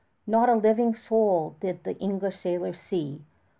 Not a living soul did the English sailors see.